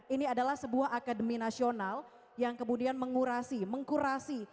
ini adalah sebuah akademi nasional yang kemudian mengurasi mengkurasi